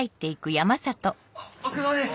・お疲れさまです！